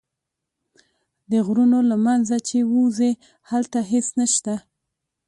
د غرونو له منځه چې ووځې هلته هېڅ نه شته.